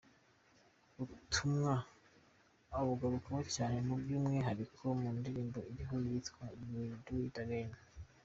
Ubutumwa abugarukaho cyane by’umwihariko mu ndirimbo iriho yitwa “You will do it again.